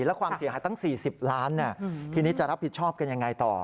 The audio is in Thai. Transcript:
แล้วความเสียหายตั้ง๔๐ล้านทีนี้จะรับผิดชอบกันยังไงต่อ